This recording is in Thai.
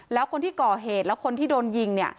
แล้วคนที่ก่อเหตุแล้วคนที่โดนยิงเนี่ย